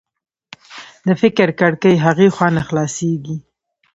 د فکر کړکۍ هغې خوا نه خلاصېږي